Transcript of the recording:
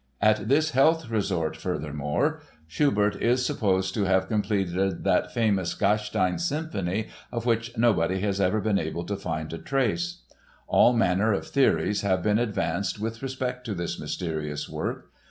At this health resort, furthermore, Schubert is supposed to have completed that famous Gastein Symphony of which nobody has ever been able to find a trace. All manner of theories have been advanced with respect to this mysterious work.